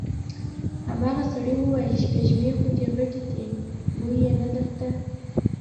هماغه سړي وويل: سپږمې خو دې غټې دې، بوی يې نه درته؟